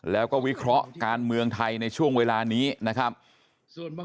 แล้วก็วิเคราะห์การเมืองไทยในช่วงเวลานี้นะครับ